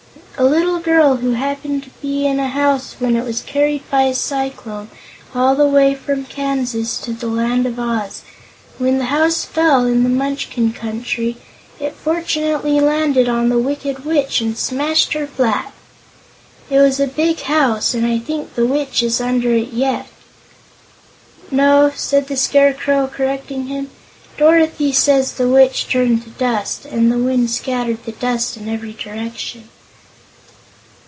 "A little girl who happened to be in a house when it was carried by a cyclone all the way from Kansas to the Land of Oz. When the house fell, in the Munchkin Country, it fortunately landed on the Wicked Witch and smashed her flat. It was a big house, and I think the Witch is under it yet." "No," said the Scarecrow, correcting him, "Dorothy says the Witch turned to dust, and the wind scattered the dust in every direction."